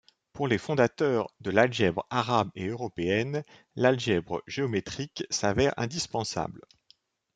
Pour les fondateurs de l'algèbre arabe et européenne, l'algèbre géométrique s'avère indispensable.